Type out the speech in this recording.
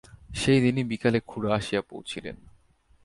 সেই দিনই বিকালে খুড়া আসিয়া পৌঁছিলেন।